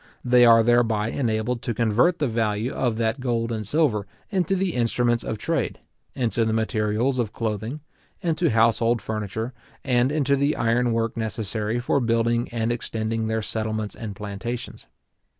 They are thereby enabled to convert the value of that gold and silver into the instruments of trade, into the materials of clothing, into household furniture, and into the iron work necessary for building and extending their settlements and plantations.